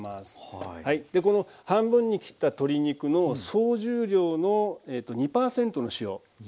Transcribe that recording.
この半分に切った鶏肉の総重量の２％の塩。